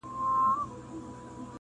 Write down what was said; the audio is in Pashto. يوخوا به ګرانه پېدا کېږى په سړوکښې سړے